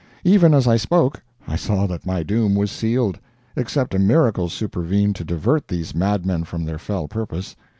Even as I spoke I saw that my doom was sealed, except a miracle supervened to divert these madmen from their fell purpose.